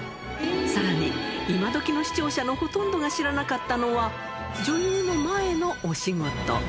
さらに、今どきの視聴者のほとんどが知らなかったのは、女優の前のお仕事。